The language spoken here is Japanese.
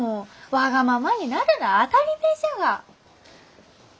わがままになるなあ当たりめえじゃが。